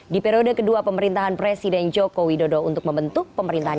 di periode kedua pemerintahan presiden joko widodo untuk membentuk pemerintahan